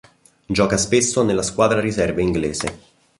Gioca spesso nella squadra riserve inglese.